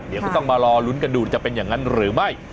เดี๋ยวก็ต้องมารอลุ้นกันดูจะเป็นอย่างนั้นหรือไม่